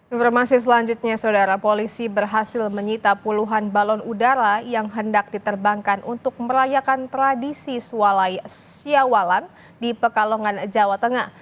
informasi selanjutnya saudara polisi berhasil menyita puluhan balon udara yang hendak diterbangkan untuk merayakan tradisi sualai siawalan di pekalongan jawa tengah